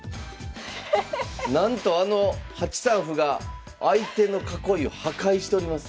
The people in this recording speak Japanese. なんとあの８三歩が相手の囲いを破壊しております。